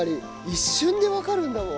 一瞬で分かるんだもん。